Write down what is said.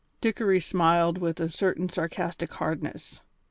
Dickory smiled with a certain sarcastic hardness.